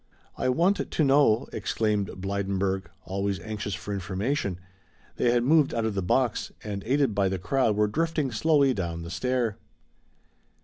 "I want to know " exclaimed Blydenburg, always anxious for information. They had moved out of the box and aided by the crowd were drifting slowly down the stair.